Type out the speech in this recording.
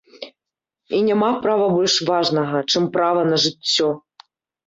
І няма права больш важнага, чым права на жыццё.